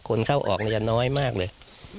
คนเข้าออกจะน้อยมากเลย